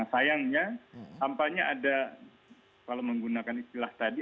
sayangnya tampaknya ada kalau menggunakan istilah tadi